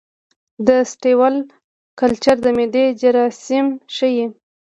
د سټول کلچر د معدې جراثیم ښيي.